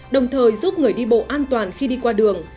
đồng thời giúp người đi bộ an toàn khi đi qua đường